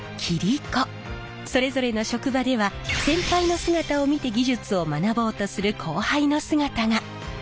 それぞれの職場では先輩の姿を見て技術を学ぼうとする後輩の姿が。